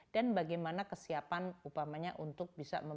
dan bagaimana kesiapan upamanya untuk bisa melakukan